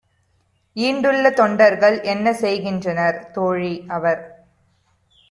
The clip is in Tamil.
ஈண்டுள்ள தொண்டர்கள் என்ன செய்கின்றனர்? தோழி - அவர்